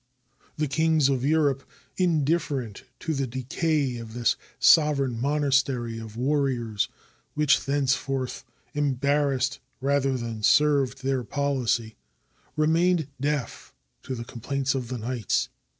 The kings 507 TURKEY of Europe, indifferent to the decay of this sovereign monastery of warriors, which thenceforth embarrassed rather than served their poHcy, remained deaf to the complaints of the knights.